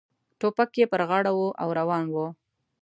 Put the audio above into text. ټوپک یې پر غاړه و او روان و.